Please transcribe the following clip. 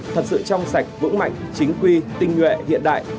thật sự trong sạch vững mạnh chính quy tinh nguyện hiện đại